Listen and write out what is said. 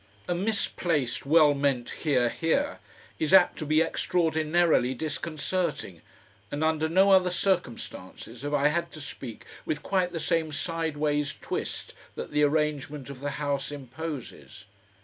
A misplaced, well meant "Hear, Hear!" is apt to be extraordinarily disconcerting, and under no other circumstances have I had to speak with quite the same sideways twist that the arrangement of the House imposes.